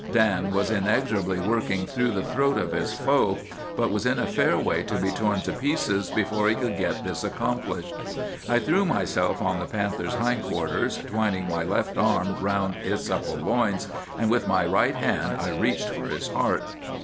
Dan was inexorably working through the throat of his foe, but was in a fair way to be torn to pieces before he could get this accomplished. "'I threw myself on the panther's hindquarters, twining my left arm around his supple loins, and with my right hand I reached for his heart.